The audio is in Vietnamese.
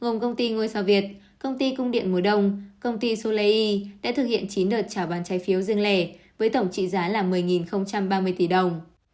gồm công ty ngôi sao việt công ty cung điện mùa đông công ty sô lê y đã thực hiện chín đợt trả bán trái phiếu dương lẻ với tổng trị giá là một mươi ba mươi tỷ đồng